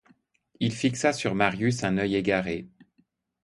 Il fixa sur Marius un oeil égaré.